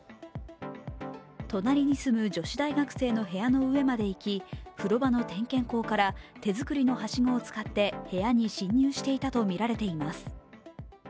隣に住む女子大学生の部屋の上まで行き風呂場の点検口から手づくりのはしごを使って部屋に侵入していたとみられています。